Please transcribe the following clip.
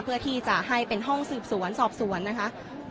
เพื่อที่จะให้เป็นห้องสืบสวนสอบสวนนะคะ